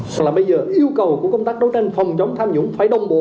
nó là bây giờ yêu cầu của công tác đấu tranh phòng chống tham nhũng phải đồng bộ